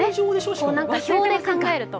表で考えると。